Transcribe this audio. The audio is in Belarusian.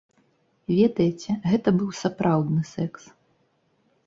Ведаеце, гэта быў сапраўдны секс.